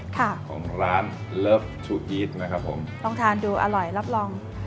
ครับของร้านนะครับผมทองทานดูอร่อยนับรอง